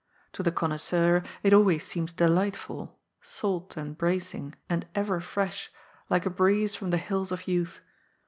To the connoisseur it always seems delightful, salt and bracing and ever fresh, VOLDERDOBS ZONEN. 93 like a breeze from the hills of yoath.